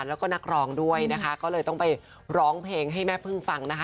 แล้วก็นักร้องด้วยนะคะก็เลยต้องไปร้องเพลงให้แม่พึ่งฟังนะคะ